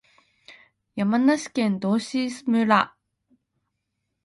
山梨県道志村